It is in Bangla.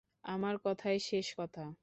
আমার কথাই শেষ কথা।